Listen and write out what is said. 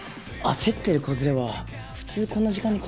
焦ってる子連れは普通こんな時間に来ないよね。